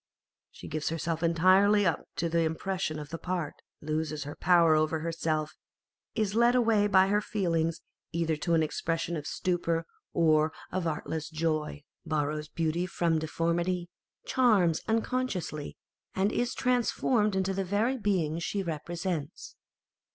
She gives herself entirely up to the impression of the part, loses her power over herself, is led away by her feelings either to an expression of stupor or of artless joy, borrows beauty from deformity, charms unconsciously, and is transformed into the very being she represents.